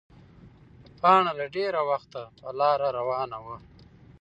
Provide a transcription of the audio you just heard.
پاڼه له ډېره وخته په لاره روانه وه.